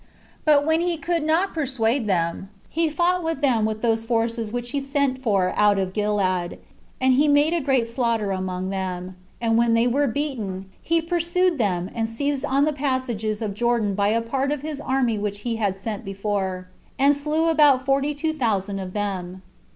But when he could not persuade them, he fought with them with those forces which he sent for out of Gilead, and he made a great slaughter among them; and when they were beaten, he pursued them, and seized on the passages of Jordan by a part of his army which he had sent before, and slew about forty two thousand of them.